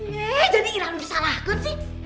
yee jadi irhan bisa lakukan sih